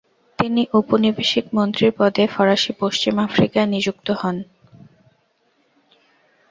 তিনি উপনিবেশিক মন্ত্রীর পদে ফরাসি পশ্চিম আফ্রিকায় নিযুক্ত হন।